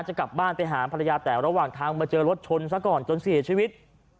จะกลับบ้านไปหาภรรยาแต่ระหว่างทางมาเจอรถชนซะก่อนจนเสียชีวิต